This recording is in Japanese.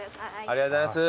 ありがとうございます。